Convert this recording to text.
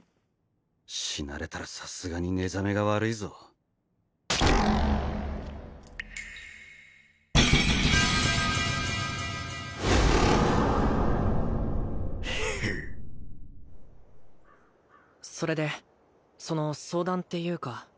死なれたらさすがに寝覚めが悪いぞそれでその相談っていうか